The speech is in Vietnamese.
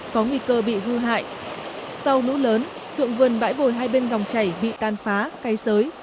có nguy cơ bị hư hại sau lũ lớn dụng vườn bãi bồi hai bên dòng chảy bị tan phá cây sới